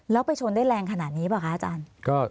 แล้วไปชนได้แรงขนาดนี้ป่ะคะอาจารย์